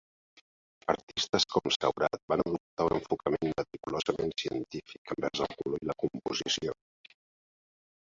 Artistes com Seurat van adoptar un enfocament meticulosament científic envers el color i la composició.